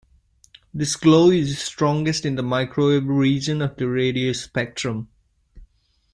This glow is strongest in the microwave region of the radio spectrum.